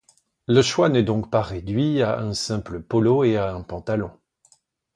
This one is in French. Le choix n'est donc pas réduit à un simple polo et à un pantalon.